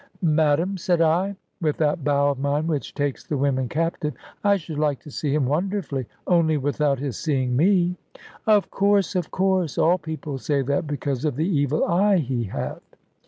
"Madam," said I, with that bow of mine which takes the women captive, "I should like to see him wonderfully; only without his seeing me." "Of course, of course. All people say that, because of the evil eye he hath.